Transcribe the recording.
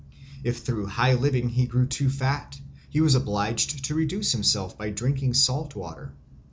If through high living he grew too fat, he was obliged to reduce himself by drinking salt water.